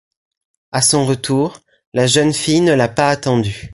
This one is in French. À son retour, la jeune fille ne l'a pas attendu.